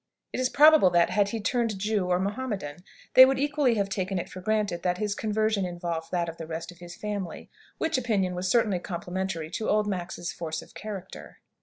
It is probable that, had he turned Jew or Mohammedan, they would equally have taken it for granted that his conversion involved that of the rest of his family, which opinion was certainly complimentary to old Max's force of character.